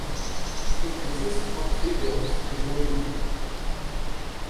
It consists of three domes and one minaret.